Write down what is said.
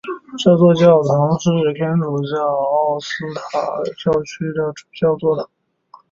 这座教堂是天主教奥斯塔教区的主教座堂。